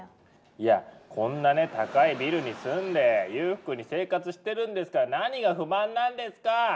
いやこんなね高いビルに住んで裕福に生活してるんですから何が不満なんですか？